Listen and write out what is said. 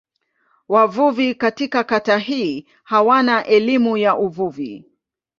Wavuvi katika kata hii hawana elimu ya uvuvi.